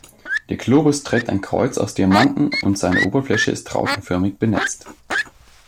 Der Globus trägt ein Kreuz aus Diamanten und seine Oberfläche ist rautenförmig benetzt.